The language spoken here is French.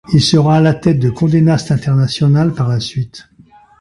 Il sera à la tête de Condé Nast International par la suite.